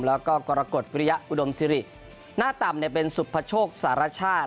แล้วก็กรกฎวิริยะอุดมสิริหน้าต่ำเป็นสุภโชคสารชาติ